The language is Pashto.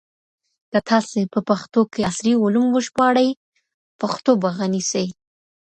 که تاسي په پښتو کي عصري علوم وژباړئ پښتو به غني سي.